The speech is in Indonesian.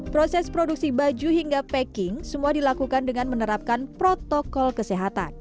proses produksi baju hingga packing semua dilakukan dengan menerapkan protokol kesehatan